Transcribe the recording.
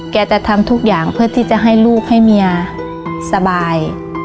จะทำทุกอย่างเพื่อที่จะให้ลูกให้เมียสบาย